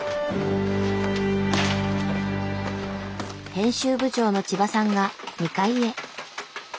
編集部長の千葉さんが２階へ。